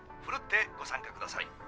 奮ってご参加ください。